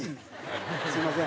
すみません。